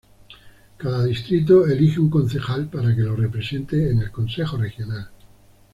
Cada distrito elige un concejal para que le represente en el Consejo Regional.